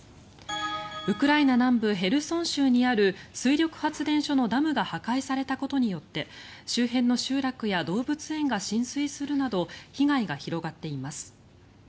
ウクライナ南部ヘルソン州にある水力発電所のダムが破壊されたことによって周辺の集落や動物園が浸水するなど被害が広がっています。